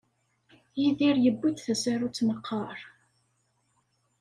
Yidir yewwi-d tasarut meqqar?